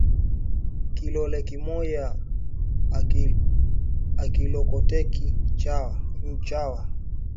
Kilole kimoya akilokotake nchawa